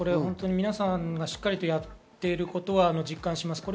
皆さんがしっかりやっていることを実感します。